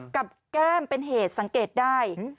แก้มเป็นเหตุสังเกตได้